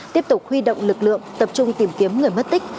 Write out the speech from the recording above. tiếp tục huy động lực lượng tập trung tìm kiếm người mất tích